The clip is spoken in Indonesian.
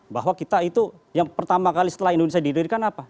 bahwa kita itu yang pertama kali setelah indonesia didirikan apa